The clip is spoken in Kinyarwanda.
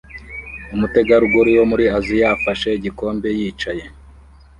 Umutegarugori wo muri Aziya afashe igikombe yicaye